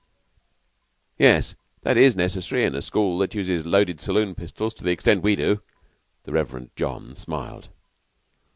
"Yes, that is necessary in a school that uses loaded saloon pistols to the extent we do." The Reverend John smiled.